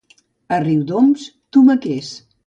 A Riudoms, tomaquers.